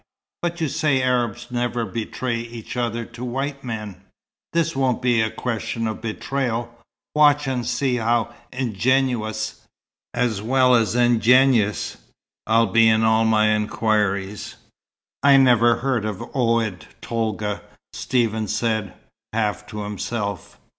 "But you say Arabs never betray each other to white men." "This won't be a question of betrayal. Watch and see how ingenuous, as well as ingenious, I'll be in all my inquiries." "I never heard of Oued Tolga," Stephen said, half to himself.